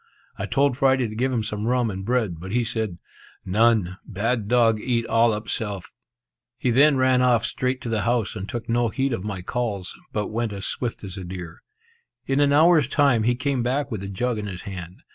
I told Friday to give him some rum and bread; but he said, "None! Bad dog eat all up self." He then ran off straight to the house, and took no heed of my calls, but went as swift as a deer. In an hour's time, he came back with a jug in his hand.